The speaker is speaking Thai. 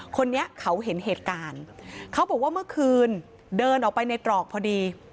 คนนี้เขาเห็นเหตุการณ์เขาบอกว่าเมื่อคืนเดินออกไปในตรอกพอดี